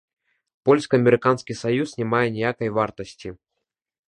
Польска-амерыканскі саюз не мае ніякай вартасці.